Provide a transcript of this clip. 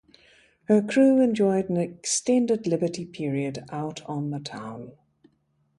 Her crew enjoyed an extended liberty period out on the town.